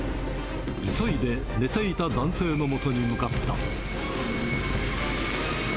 急いで寝ていた男性のもとに向かった。